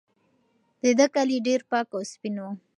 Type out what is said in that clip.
د ده کالي ډېر پاک او سپین وو.